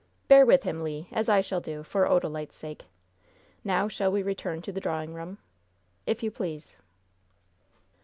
Bear with him, Le, as I shall do, for Odalite's sake. Now shall we return to the drawing room?" "If you please."